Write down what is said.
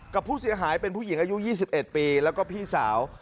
กับผู้เสียหายเป็นผู้หญิงอายุ๒๑ปีแล้วก็พี่สาว